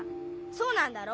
そうなんだろ？